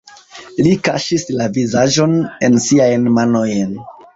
Li kaŝis la vizaĝon en siajn manojn.